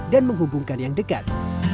dan menghubungkan yang dekat